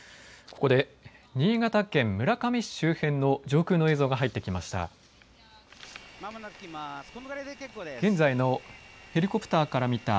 ここで新潟県村上市周辺の上空の映像が入ってきました。